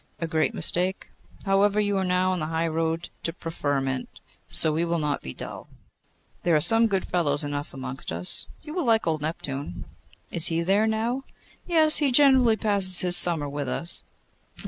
A great mistake. However, you are now in the high road to preferment, so we will not be dull. There are some good fellows enough amongst us. You will like old Neptune.' 'Is he there now?' 'Yes, he generally passes his summer with us.